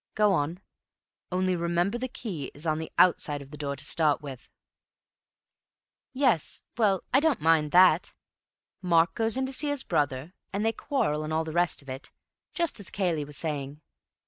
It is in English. Go on. Only remember—the key is on the outside of the door to start with." "Yes; well, I don't mind that. Mark goes in to see his brother, and they quarrel and all the rest of it, just as Cayley was saying.